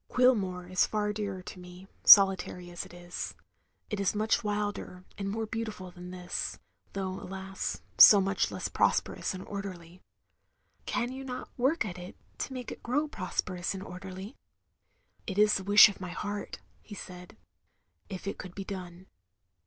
Cuilmore is far dearer to me, solitary as it is. It is much wilder and more beautiftd than this, though alas, so much less prosperous and orderly. " "Can you not work at it — ^to make it grow prosperous and orderly?" OF GROSVENOR SQUARE 297 " It is the wish of my heart, " he said —" If it could be done."